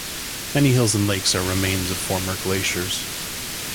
Many hills and lakes are remains of former glaciers.